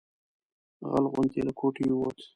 غل غوندې له کوټې ووت.